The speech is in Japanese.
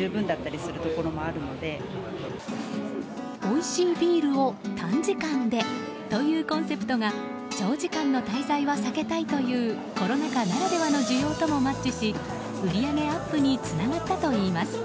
おいしいビールを短時間でというコンセプトが長時間の滞在は避けたいというコロナ禍ならではの需要ともマッチし売り上げアップにつながったといいます。